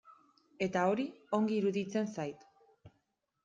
Eta hori ongi iruditzen zait.